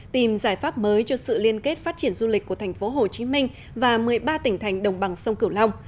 tìm giải pháp mới cho sự liên kết phát triển du lịch của thành phố hồ chí minh và một mươi ba tỉnh thành đồng bằng sông cửu long